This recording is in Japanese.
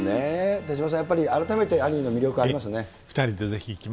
手嶋さん、やっぱり改めてアニーの魅力ありますよね。